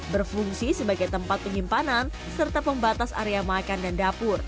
berfungsi sebagai tempat penyimpanan serta pembatas area makan dan dapur